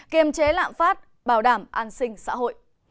kiềm chế lạm phát bảo đảm an sinh xã hội